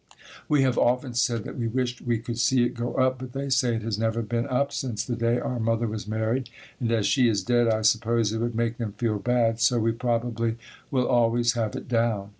We have often said that we wished we could see it go up but they say it has never been up since the day our mother was married and as she is dead I suppose it would make them feel bad, so we probably will always have it down.